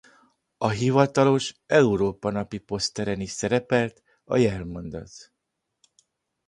A hivatalos Európa-napi poszteren is szerepelt a jelmondat.